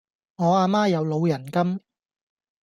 我阿媽有老人金